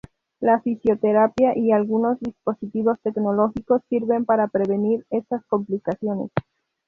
La fisioterapia y algunos dispositivos tecnológicos, sirven para prevenir estas complicaciones.